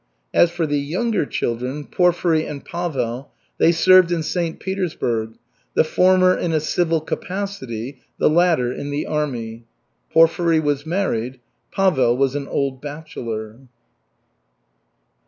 As for the younger children, Porfiry and Pavel, they served in St. Petersburg, the former in a civil capacity, the latter in the army. Porfiry was married; Pavel was an old bachelor.